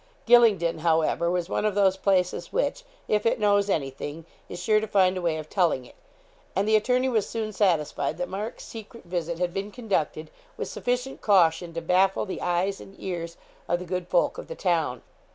Gylingden, however, was one of those places which, if it knows anything, is sure to find a way of telling it, and the attorney was soon satisfied that Mark's secret visit had been conducted with sufficient caution to baffle the eyes and ears of the good folk of the town.